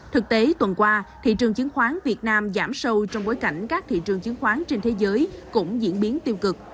thực tế tuần qua thị trường chứng khoán việt nam giảm sâu trong bối cảnh các thị trường chứng khoán trên thế giới cũng diễn biến tiêu cực